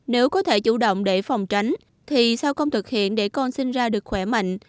nếu có thể chủ động để phòng tránh thì sao không thực hiện để con sinh ra được khỏe mạnh